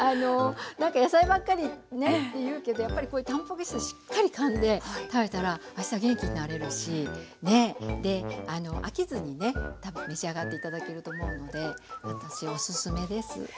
何か野菜ばっかりって言うけどやっぱりこういうたんぱく質しっかりかんで食べたらあした元気になれるし飽きずにね多分召し上がって頂けると思うので私おすすめです。